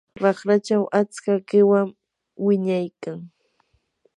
raqrachaw achka qiwan wiñaykan.